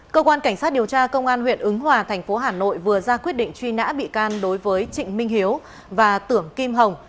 cơ quan cảnh sát điều tra công an huyện ứng hòa thành phố hà nội vừa ra quyết định truy nã bị can đối với trịnh minh hiếu và tưởng kim hồng